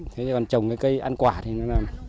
thế còn trồng cái cây ăn quả thì nó là